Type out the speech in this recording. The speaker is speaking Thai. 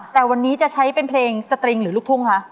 แต่วันนี้จะใช้เป็นเพลงสตริงหรือลูกทุ่งคะ